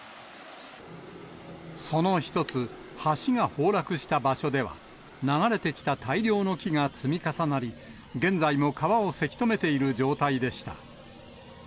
その１つ、橋が崩落した場所では、流れてきた大量の木が積み重なり、現在も川をせき止めている状態でした。